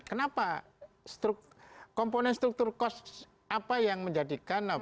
kenapa komponen struktur kos apa yang menjadikan